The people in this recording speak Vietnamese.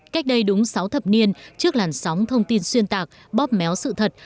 cách đây đúng sáu thập niên trước làn sóng thông tin xuyên tạc bóp méo sự thật